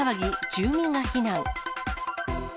住民が避難。